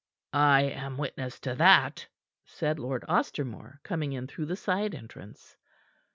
"I am witness to that," said Lord Ostermore, coming in through the side entrance.